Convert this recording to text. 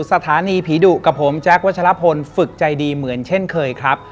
สถานีผีดุกับผมแจ๊ควัชลพลฝึกใจดีเหมือนเช่นเคยครับ